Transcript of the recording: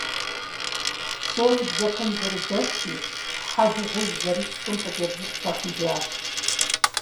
Псори бжьэпэм зэрыдэхри, хьэ, дыгъужь зэрышхым хъыджэбзыр къыхахыжащ.